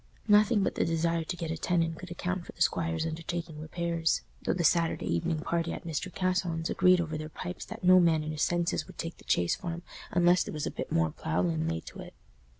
Nothing but the desire to get a tenant could account for the squire's undertaking repairs, though the Saturday evening party at Mr. Casson's agreed over their pipes that no man in his senses would take the Chase Farm unless there was a bit more ploughland laid to it.